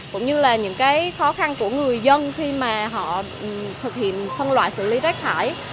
cũng như là những cái khó khăn của người dân khi mà họ thực hiện phân loại xử lý rác thải